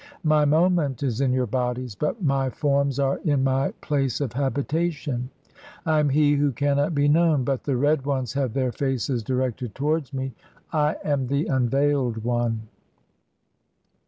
My moment is in your bodies, but "my (21) forms are in my place of habitation. I am he who "cannot be known, but the Red Ones have their faces directed "towards me. I am the unveiled one.